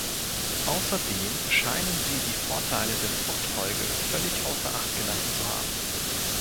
Außerdem scheinen Sie die Vorteile der Fruchtfolge völlig außer Acht gelassen zu haben.